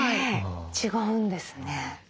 違うんですね。